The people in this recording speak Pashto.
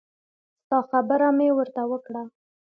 ستا خبره مې ورته وکړه.